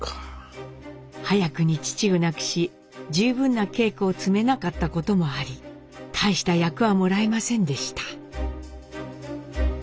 早くに父を亡くし十分な稽古を積めなかったこともあり大した役はもらえませんでした。